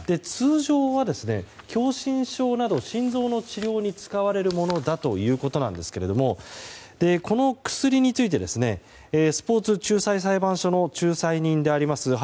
通常は狭心症など、心臓の治療に使われるものだということですがこの薬についてスポーツ仲裁裁判所の仲裁人であります